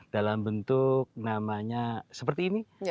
dalam bentuk namanya seperti ini